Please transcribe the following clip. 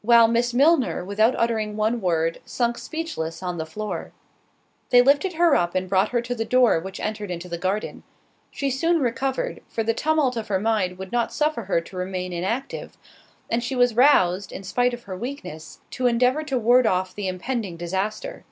While Miss Milner, without uttering one word, sunk speechless on the floor. They lifted her up and brought her to the door which entered into the garden. She soon recovered; for the tumult of her mind would not suffer her to remain inactive, and she was rouzed, in spite of her weakness, to endeavour to ward off the impending disaster.